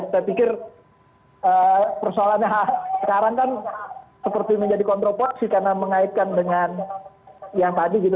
saya pikir persoalannya sekarang kan seperti menjadi kontroversi karena mengaitkan dengan yang tadi gitu